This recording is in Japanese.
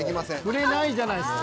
振れないじゃないですか。